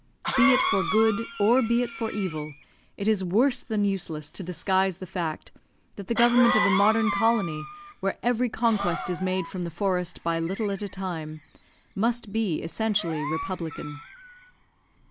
Be it for good or be it for evil, it is worse than useless to disguise the fact that the government of a modern colony, where every conquest is made from the forest by little at a time, must be essentially republican.